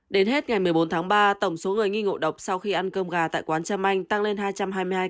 đến hết ngày một mươi bốn tháng ba tổng số người nghi ngộ độc sau khi ăn cơm gà tại quán trâm anh tăng lên hai trăm hai mươi hai ca